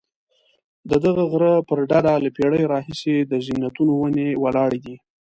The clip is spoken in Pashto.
ددې غره پر ډډه له پیړیو راهیسې د زیتونو ونې ولاړې دي.